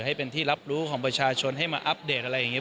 ให้เป็นที่รับรู้ของประชาชนให้มาอัปเดตอะไรอย่างนี้